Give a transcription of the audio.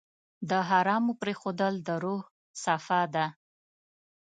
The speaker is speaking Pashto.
د حرامو پرېښودل د روح صفا ده.